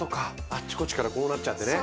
あっちこちからこうなっちゃってね。